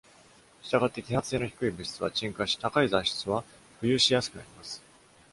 したがって、揮発性の低い材質は沈下し、高い材質は浮遊しやすくなります。